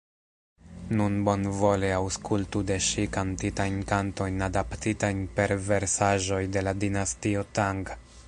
Nun bonvole aŭskultu de ŝi kantitajn kantojn adaptitajn per versaĵoj de la dinastio Tang.